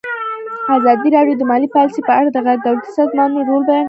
ازادي راډیو د مالي پالیسي په اړه د غیر دولتي سازمانونو رول بیان کړی.